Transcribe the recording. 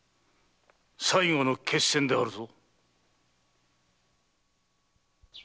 最後の決戦であるぞ。